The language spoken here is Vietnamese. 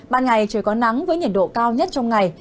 ban ngày trời có nắng với nhiệt độ cao nhất trong ngày